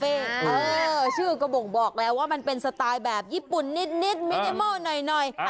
เออชื่อก็บ่งบอกแล้วว่ามันเป็นสไตล์แบบญี่ปุ่นนิดมินิมอลหน่อย